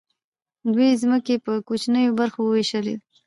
دوی ځمکې په کوچنیو برخو وویشلې.